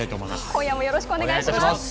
今夜もよろしくお願いします。